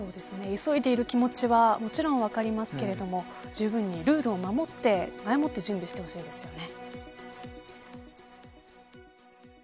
急いでいる気持ちはもちろん分かりますけれどもじゅうぶんにルールを守って前もって準備してほしいですね。